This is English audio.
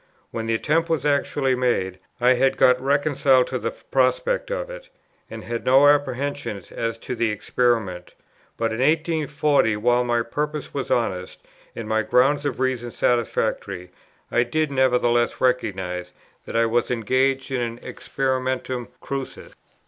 When the attempt was actually made, I had got reconciled to the prospect of it, and had no apprehensions as to the experiment; but in 1840, while my purpose was honest, and my grounds of reason satisfactory, I did nevertheless recognize that I was engaged in an experimentum crucis.